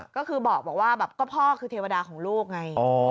ก็คือบอกว่าแบบก็พ่อคือเทวดาของลูกไง